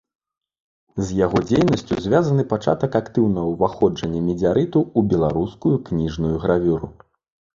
З яго дзейнасцю звязаны пачатак актыўнага ўваходжання медзярыту ў беларускую кніжную гравюру.